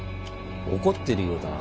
怒ってるようだな。